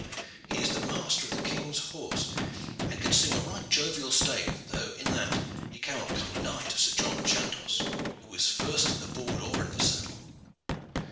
He is the master of the King's horse, and can sing a right jovial stave, though in that he cannot come nigh to Sir John Chandos, who is first at the board or in the saddle.